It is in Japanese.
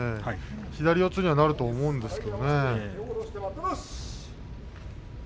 左四つにはなると思うんですけれども。